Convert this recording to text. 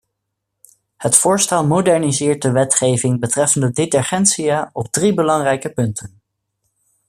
Het voorstel moderniseert de wetgeving betreffende detergentia op drie belangrijke punten.